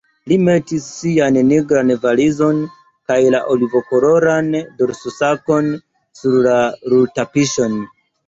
Li metis sian nigran valizon kaj la olivkoloran dorsosakon sur la rultapiŝon.